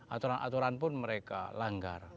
aturan aturan pun mereka langgar